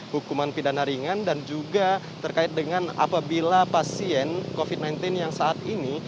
hukuman pidana ringan dan juga terkait dengan apabila pasien covid sembilan belas yang saat ini